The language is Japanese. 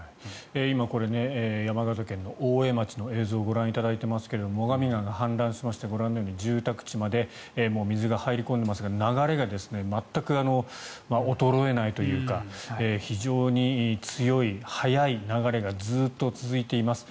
今、山形県の大江町の映像をご覧いただいていますが最上川が氾濫しましてご覧のように住宅地まで水が入り込んでいますが流れが全く衰えないというか非常に強い、速い流れがずっと続いています。